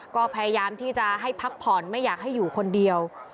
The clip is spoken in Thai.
ก็พยายามที่จะให้พักผ่อนไม่อยากให้อยู่คนเดียว